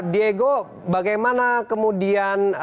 diego bagaimana kemudian